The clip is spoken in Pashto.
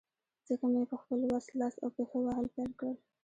ځکه مې په خپل وس، لاس او پښې وهل پیل کړل.